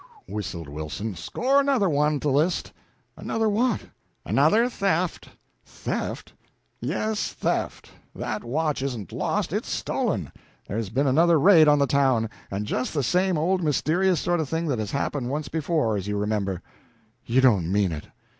"Whe ew!" whistled Wilson; "score another on the list." "Another what?" "Another theft!" "Theft?" "Yes, theft. That watch isn't lost, it's stolen. There's been another raid on the town and just the same old mysterious sort of thing that has happened once before, as you remember." "You don't mean it!"